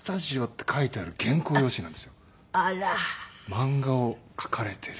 漫画を描かれている。